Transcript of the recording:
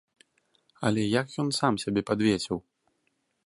Але як ён сам сябе падвесіў?